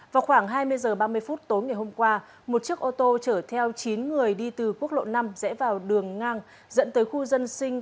vào khoảng hai mươi h ba mươi phút tối ngày hôm qua một chiếc ô tô chở theo chín người đi từ quốc lộ năm rẽ vào đường ngang dẫn tới khu dân sinh